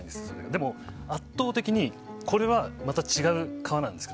でも圧倒的にこれは、また違う革なんです。